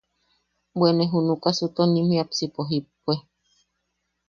Bwe ne junukasu tua nim jiapsipo jippue.